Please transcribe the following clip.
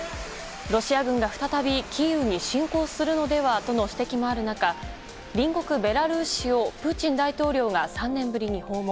ロシア軍が再びキーウに侵攻するのではとの指摘もある中隣国ベラルーシをプーチン大統領が３年ぶりに訪問。